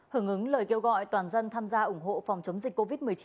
hưởng ứng lời kêu gọi toàn dân tham gia ủng hộ phòng chống dịch covid một mươi chín